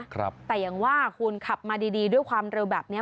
แต่อย่างว่าคุณขับมาดีดีด้วยความเร็วแบบนี้